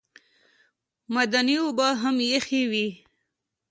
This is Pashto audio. معدني اوبه هم ایښې وې.